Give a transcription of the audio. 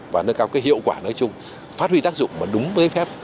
và nâng cao cái hiệu quả nói chung phát huy tác dụng mà đúng với giấy phép